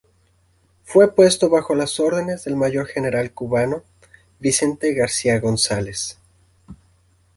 Fue puesto bajo las órdenes del Mayor general cubano Vicente García González.